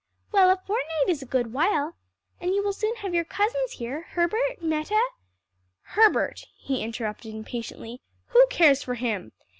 "Well a fortnight is a good while. And you will soon have your cousins here Herbert, Meta " "Herbert!" he interrupted impatiently, "who cares for him?